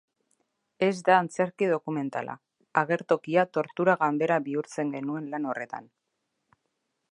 Ez da antzerki dokumentala, agertokia tortura ganbera bihurtzen genuen lan horretan.